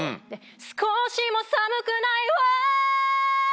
少しも寒くないわ